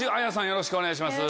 よろしくお願いします。